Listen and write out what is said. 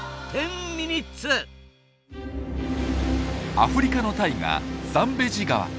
アフリカの大河ザンベジ川。